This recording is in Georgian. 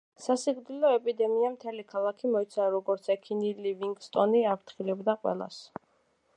სასიკვდილო ეპიდემიამ მთელი ქალაქი მოიცვა, როგორც ექიმი ლივინგსტონი აფრთხილებდა ყველას.